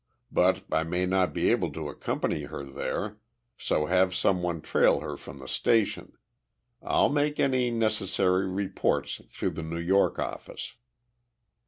But I may not be able to accompany her there, so have some one trail her from the station. I'll make any necessary reports through the New York office."